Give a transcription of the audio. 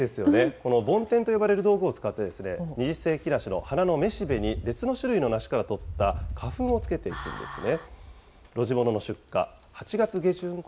このぼん天と呼ばれる道具を使って、二十世紀梨の花の雌しべに別の種類の梨からとった花粉をつけていくんですね。